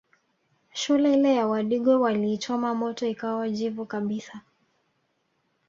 Shule ile wadigo waliichoma moto ikawa jivu kabisa